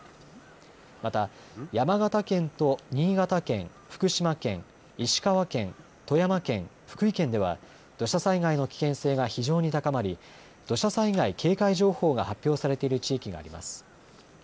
また山形県と新潟県、福島県、石川県、富山県、福井県では土砂災害の危険性が非常に高まり土砂災害警戒情報が発表されている地域があります。